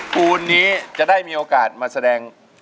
ปูนนี้จะได้มีโอกาสมาแสดง